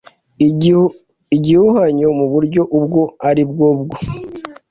igihuhanyo muburyo ubwo aribwo bwoe